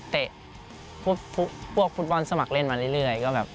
เตะพวกฟุตบอลสมัครเล่นมาเรื่อยก็แบบ